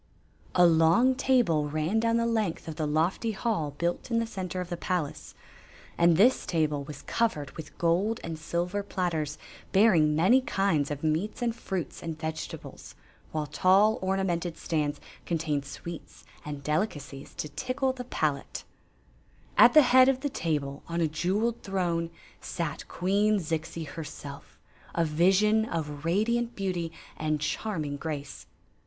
A long table ran down the length of the lofty hall built in the center of the palace; and this table was covered with gold and silver platters bearing many kinds of meats and fruits and vegetables, while tall, ornamented stands contained sweets and delicacies to tickle the palate. At the head of the table, on a jeweled throne, sat Queen Zixi herself, a vision of radiant beauty and charming grace.